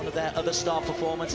itu bahasa yunani